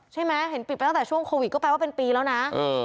เห็นปิดไปตั้งแต่ช่วงโควิดก็แปลว่าเป็นปีแล้วนะ